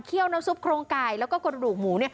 น้ำซุปโครงไก่แล้วก็กระดูกหมู